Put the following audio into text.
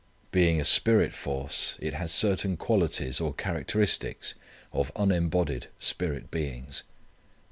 Being a spirit force it has certain qualities or characteristics of unembodied spirit beings.